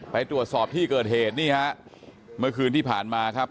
ไปตรวจสอบที่เกิดเหตุนี่ฮะเมื่อคืนที่ผ่านมาครับ